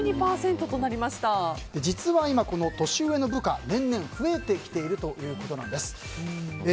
実は今、年上部下年々増えてきているということなんです。